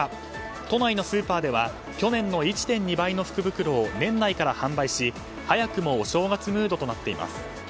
都内のスーパーでは去年の１．２倍の福袋を年内から販売し、早くもお正月ムードとなっています。